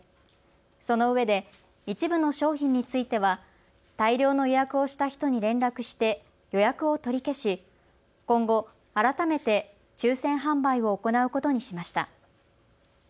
そのうえで一部の商品については大量の予約をした人に連絡して予約を取り消し今後、改めて抽せん販売を行うことにしました。